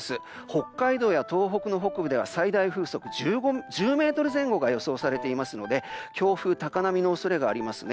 北海道や東北の北部では最大風速１０メートル前後が予想されていますので強風、高波の恐れがあります。